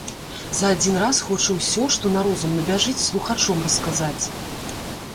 За адзін раз хоча ўсё, што на розум набяжыць, слухачом расказаць.